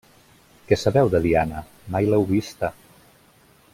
Què sabeu de Diana? Mai l'heu vista.